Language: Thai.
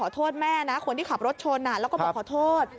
โทษแม่นะคนที่ขับรถชนแล้วก็บอกขอโทษ